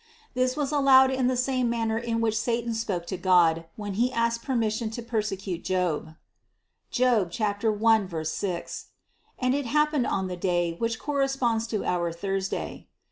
This was allowed in, the same manner in which satan spoke to God when he asked permission to persecute Job (Job 1, 6), and it happened on the day which corresponds to our Thurs day.